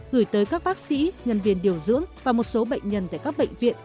gửi tới các bác sĩ nhân viên điều dưỡng và một số bệnh nhân tại các bệnh viện